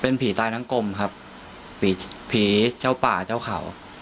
ผีตายทั้งกลมครับผีผีเจ้าป่าเจ้าเขา